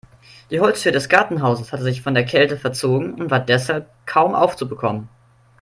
Die Holztür des Gartenhauses hatte sich von der Kälte verzogen und war deshalb kaum aufzubekommen.